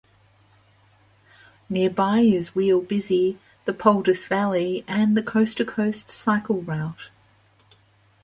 Nearby is Wheal Busy, the Poldice Valley and the Coast to Coast cycle route.